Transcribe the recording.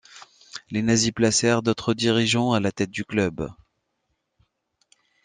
Les Nazis placèrent d’autres dirigeants à la tête du club.